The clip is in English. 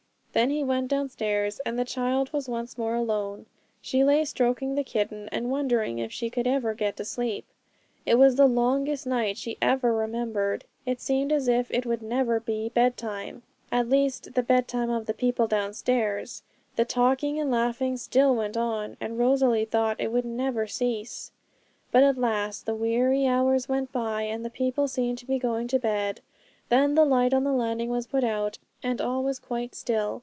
Then he went downstairs, and the child was once more alone; she lay stroking the kitten, and wondering if she should ever get to sleep. It was the longest night she ever remembered; it seemed as if it would never be bed time at least, the bed time of the people downstairs; the talking and laughing still went on, and Rosalie thought it would never cease. But at last the weary hours went by, and the people seemed to be going to bed. Then the light on the landing was put out, and all was quite still.